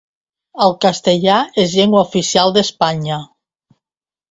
El castellà és llengua oficial d'Espanya.